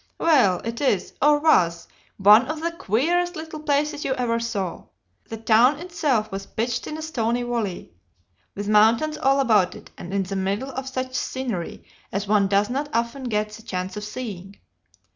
Well, it is, or was, one of the queerest little places you ever saw. The town itself was pitched in a stony valley, with mountains all about it, and in the middle of such scenery as one does not often get the chance of seeing.